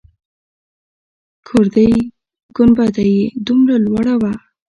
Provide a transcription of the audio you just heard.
ګردۍ گنبده يې دومره لوړه وه.